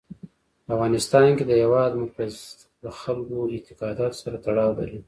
په افغانستان کې د هېواد مرکز د خلکو د اعتقاداتو سره تړاو لري.